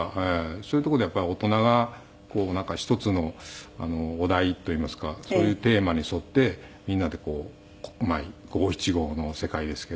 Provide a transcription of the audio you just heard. そういう所でやっぱり大人が一つのお題といいますかそういうテーマに沿ってみんなでこう五七五の世界ですけど。